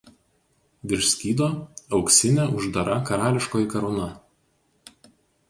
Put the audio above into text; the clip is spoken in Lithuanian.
Virš skydo auksinė uždara karališkoji karūna.